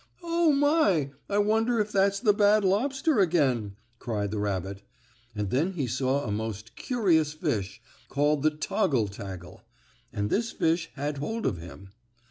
"Oh, my! I wonder if that's the bad lobster again?" cried the rabbit, and then he saw a most curious fish, called the toggle taggle, and this fish had hold of him.